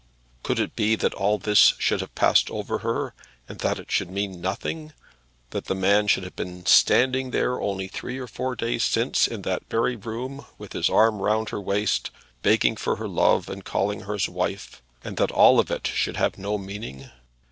Could it be that all this should have passed over her and that it should mean nothing? that the man should have been standing there, only three or four days since, in that very room, with his arm round her waist, begging for her love, and calling her his wife; and that all of it should have no meaning?